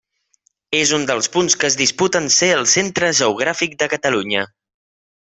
És un dels punts que es disputen ser el centre geogràfic de Catalunya.